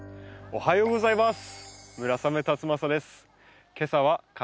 おはようございます。